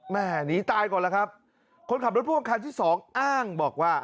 หนีตายก่อนแล้วครับคนขับรถพ่วงคันที่สองอ้างบอกว่า